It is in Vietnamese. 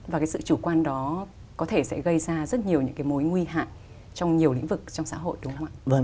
và cái sự chủ quan đó có thể sẽ gây ra rất nhiều những cái mối nguy hại trong nhiều lĩnh vực trong xã hội đúng không ạ